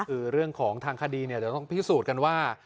คือเรื่องของทางคดีจะต้องพิสูจน์กันว่า